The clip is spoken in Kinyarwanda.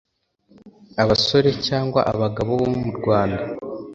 abasore cyangwa abagabo bo mu rwanda